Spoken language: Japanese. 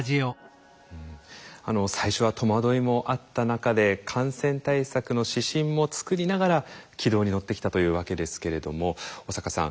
最初は戸惑いもあった中で感染対策の指針も作りながら軌道に乗ってきたというわけですけれども小坂さん